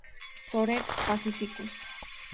Sorex pacificus